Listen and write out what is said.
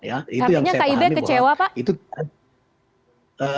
artinya kib kecewa pak